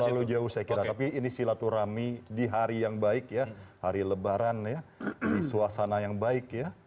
terlalu jauh saya kira tapi ini silaturahmi di hari yang baik ya hari lebaran ya di suasana yang baik ya